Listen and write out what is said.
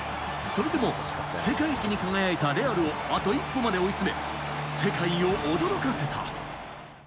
それでも世界一に輝いたレアルをあと一歩まで追い詰め、世界を驚かせた。